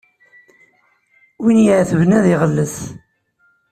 Win iɛettben ad iɣellet.